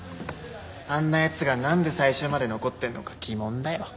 あんな奴がなんで最終まで残ってるのか疑問だよ。